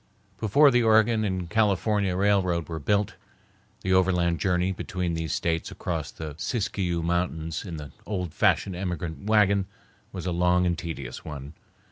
Before the Oregon and California railroad was built, the overland journey between these States across the Siskiyou Mountains in the old fashioned emigrant wagon was a long and tedious one.